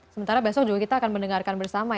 sementara besok juga kita akan mendengarkan bersama